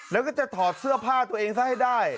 แล้วก็จะถอดเสื้อผ้าตัวเองซะให้ได้